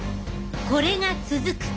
これが続くと。